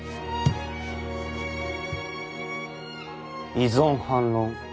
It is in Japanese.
異存反論